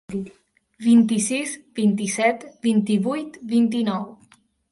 Vint-i-sis, vint-i-set, vint-i-vuit, vint-i-nou.